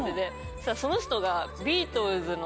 そしたらその人が。